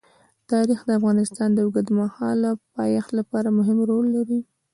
تاریخ د افغانستان د اوږدمهاله پایښت لپاره مهم رول لري.